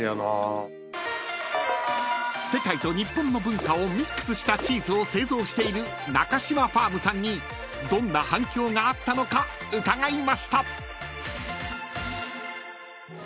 ［世界と日本の文化をミックスしたチーズを製造しているナカシマファームさんにどんな反響があったのか伺いました］